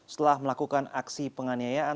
setelah melakukan aksi penganiayaan